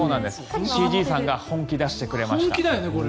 ＣＧさんが本気を出してくれました。